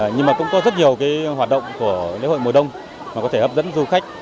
nhưng mà cũng có rất nhiều hoạt động của lễ hội mùa đông mà có thể hấp dẫn du khách